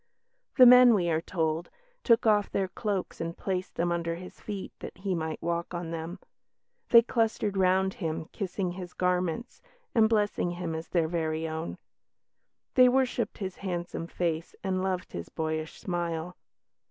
The men, we are told, "took off their cloaks and placed them under his feet, that he might walk on them; they clustered round him, kissing his garments, and blessing him as their very own; they worshipped his handsome face and loved his boyish smile."